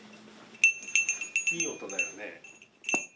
いい音だよね。